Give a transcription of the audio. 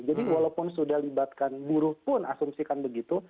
jadi walaupun sudah libatkan buruh pun asumsikan begitu